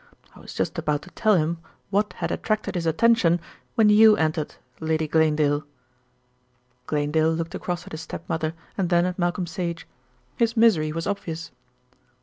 I was just about to tell him what had attracted his attention when you entered, Lady Glanedale." Glanedale looked across at his step mother and then at Malcolm Sage. His misery was obvious.